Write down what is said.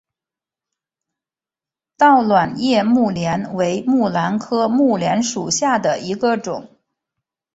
倒卵叶木莲为木兰科木莲属下的一个种。